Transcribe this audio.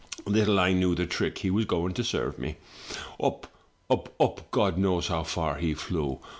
Little I knew the trick he was going to serve me. Up, up, up — God knows how far he flew.